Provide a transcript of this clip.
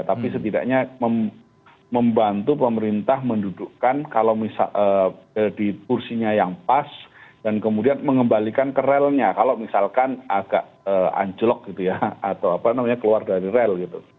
tapi setidaknya membantu pemerintah mendudukkan kalau misalnya di kursinya yang pas dan kemudian mengembalikan ke relnya kalau misalkan agak anjlok gitu ya atau apa namanya keluar dari rel gitu